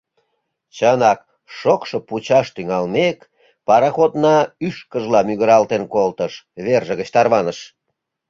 Чынак, шокшо пучаш тӱҥалмек, пароходна ӱшкыжла мӱгыралтен колтыш, верже гыч тарваныш.